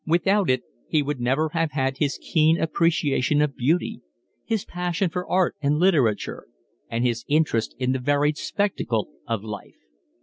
Without it he would never have had his keen appreciation of beauty, his passion for art and literature, and his interest in the varied spectacle of life.